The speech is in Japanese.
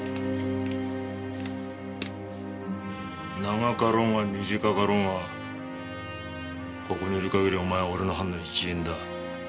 長かろうが短かろうがここにいる限りはお前は俺の班の一員だ。